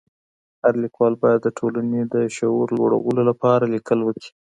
هر ليکوال بايد د ټولني د شعور لوړولو لپاره ليکل وکړي.